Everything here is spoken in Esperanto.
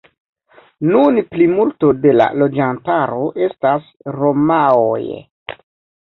Nun plimulto de la loĝantaro estas romaoj.